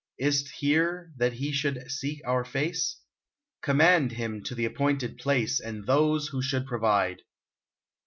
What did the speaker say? Is 't here that he should seek our face ? Command him to the appointed place, And those who should provide